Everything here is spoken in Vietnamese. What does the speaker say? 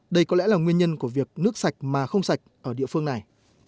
đây có lẽ là nguyên nhân của việc nước sạch mà không sạch ở địa phương này